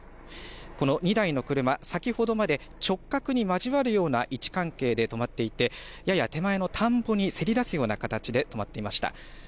この２台の車、先ほどまで直角に交わるような位置関係で止まっていてやや手前の田んぼにせり出すような形で止まっていました。